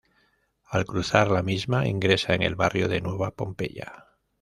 Al cruzar la misma, ingresa en el barrio de Nueva Pompeya.